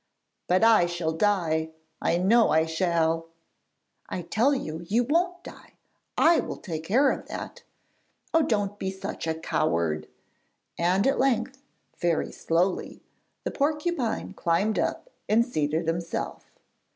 'But I shall die! I know I shall!' 'I tell you, you won't die. I will take care of that! Oh, don't be such a coward!' And at length, very slowly, the porcupine climbed up and seated himself.